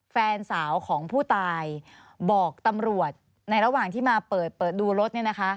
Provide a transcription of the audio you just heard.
แฟนสาวของผู้ตายบอกตำรวจในระหว่างที่มาเปิดดูรถเนี่ยนะคะ